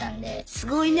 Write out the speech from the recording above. すごいね！